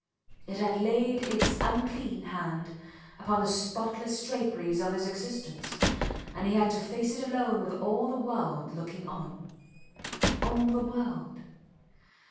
It had laid its unclean hand upon the spotless draperies of his existence, and he had to face it alone with all the world looking on. All the world!